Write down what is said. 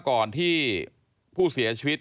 ก่อนที่ผู้เสียชีวิต